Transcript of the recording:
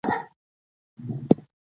احمدشاه بابا د ملت د ازادی لپاره جنګيده.